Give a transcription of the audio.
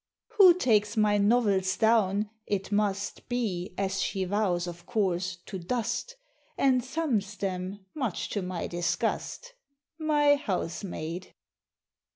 Who takes my novels down (it must Be, as she vows, of course, "to dust"), And thumbs them, much to my disgust? My Housemaid.